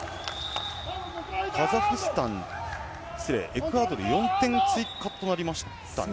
エクアドル４点追加となりましたね。